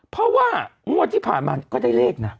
เพราะว่างวดที่ผ่านมาก็ได้เลขนะ